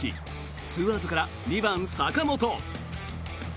２アウトから２番、坂本。